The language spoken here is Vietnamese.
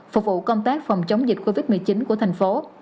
phục vụ công tác phòng chống dịch covid một mươi chín của thành phố